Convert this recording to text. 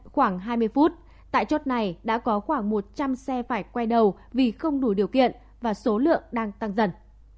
khoảng hai mươi phút tại chốt này đã có khoảng một trăm linh xe phải quay đầu vì không đủ điều kiện và số lượng đang tăng dần